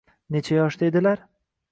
—Necha yoshda edilar?